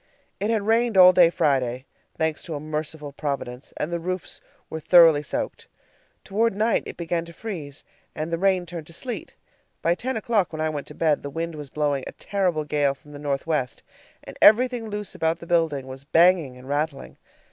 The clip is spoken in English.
It had rained all day Friday, thanks to a merciful Providence, and the roofs were thoroughly soaked. Toward night it began to freeze, and the rain turned to sleet. By ten o'clock, when I went to bed the wind was blowing a terrible gale from the northwest, and everything loose about the building was banging and rattling.